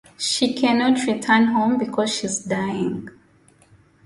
She cannot return home because she is dying.